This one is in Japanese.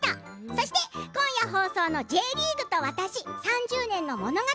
そして今夜放送の「Ｊリーグと私３０年の物語」